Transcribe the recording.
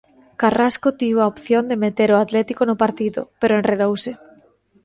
Carrasco tivo a opción de meter o Atlético no partido, pero enredouse.